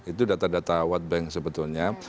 itu data data wattbank sebetulnya